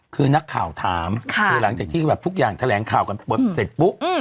คือนักข่าวถามคือหลังจากที่ทะเลงข่าวกันปลดเสร็จปุ๊บ